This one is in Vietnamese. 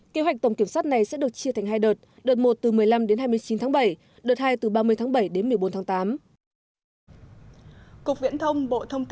kế hoạch tổng kiểm soát này sẽ được chia thành hai đợt đợt một từ một mươi năm đến hai mươi chín tháng bảy đợt hai từ ba mươi tháng bảy đến một mươi bốn tháng tám